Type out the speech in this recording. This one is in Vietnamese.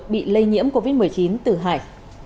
bị lây nhiễm covid một mươi chín từ hải